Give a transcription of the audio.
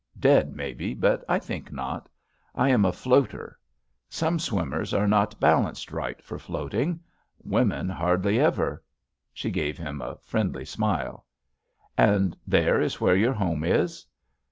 Dead, maybe, but I think not. I am a floater. Some swimmers are not balanced right for floating. Women hardly ever." She gave him a friendly smile. "And there is where your home is?"